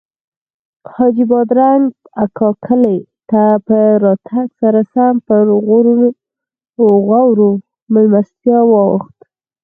حاجي بادرنګ اکا کلي ته په راتګ سره سم پر غوړو میلمستیاوو واوښت.